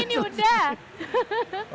oke ini udah